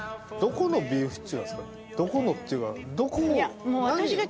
どこのっていうか。